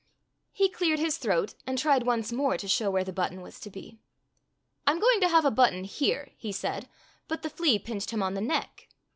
He cleared his throat and tried once more to show where the button was to be. "I'm going to have a button here —" he said, but the flea pinched him on the neck.